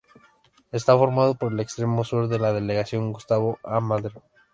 Está formado por el extremo sur de la Delegación Gustavo A. Madero.